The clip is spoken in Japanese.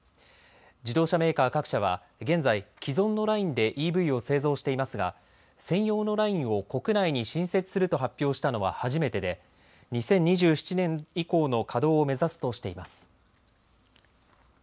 自動車メーカー各社は現在、既存のラインでＥＶを製造していますが専用のラインを国内に新設すると発表したのは初めてで２０２７年以降の稼働を目指すとしています。